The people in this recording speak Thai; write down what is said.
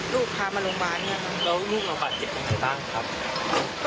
แล้วอุ้มมาภาชาติขึ้นอยู่บ้านไหนล่ะครับ